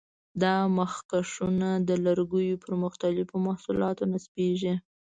دا مخکشونه د لرګیو پر مختلفو محصولاتو نصبېږي.